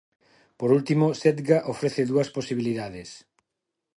Por último, Setga ofrece dúas posibilidades.